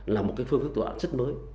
là một cái phương thức tội phạm rất mới